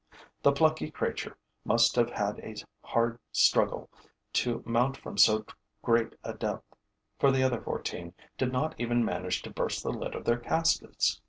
The plucky creature must have had a hard struggle to mount from so great a depth, for the other fourteen did not even manage to burst the lid of their caskets.